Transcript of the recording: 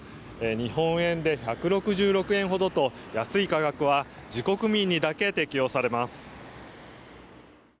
日本円で１６６円ほどと安い価格は自国民にだけ適用されます。